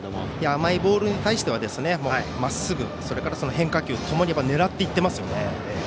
甘いボールに対してはまっすぐ、それから変化球ともに狙っていっていますね。